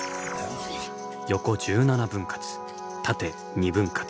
横１７分割縦２分割。